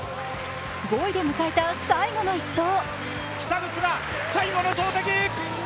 ５位で迎えた最後の１投。